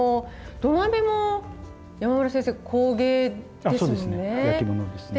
土鍋も山村先生工芸ですもんね？